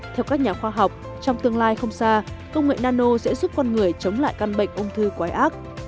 theo các nhà khoa học trong tương lai không xa công nghệ nano sẽ giúp con người chống lại căn bệnh ung thư quái ác